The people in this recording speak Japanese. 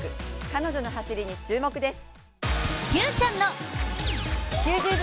彼女の走りに注目です。